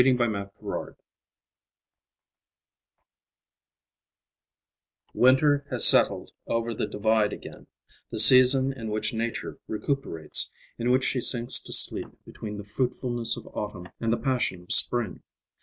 Winter Memories I Winter has settled down over the Divide again; the season in which Nature recuperates, in which she sinks to sleep between the fruitfulness of autumn and the passion of spring.